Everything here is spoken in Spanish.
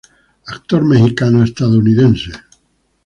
Actor mexicano-estadounidense.